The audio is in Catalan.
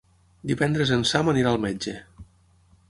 Divendres en Sam anirà al metge.